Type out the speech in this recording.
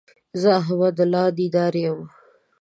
زه احمد الله ديدار يم